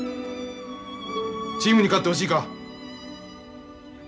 チームに勝ってほしいか？